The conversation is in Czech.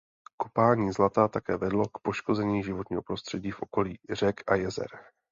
Kopání zlata také vedlo k poškození životního prostředí v okolí řek a jezer.